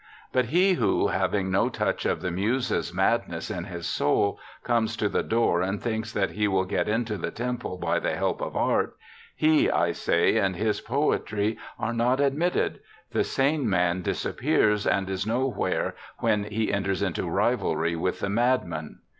But he who, having no touch of the Muses' madness in his soul, comes to the door and thinks that he will get into the temple by the help of art — he, I say, and his poetry are not admitted ; the sane man disappears and is nowhere when he enters into rivalry with the madman.'